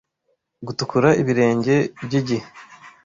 Gutukura ibirenge byigihe